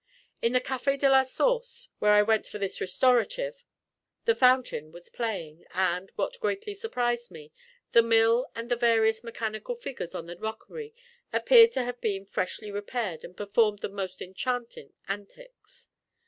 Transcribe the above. In the Cafe de la Source, where I went for this restorative, the fountain was playing, and (what greatly surprised me) the mill and the various mechanical figures on the rockery appeared to have been freshly repaired and performed the most enchanting antics.